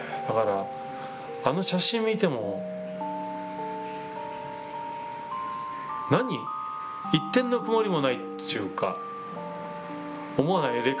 だからあの写真見ても、なに、一点の曇りもないっていうか、思わない？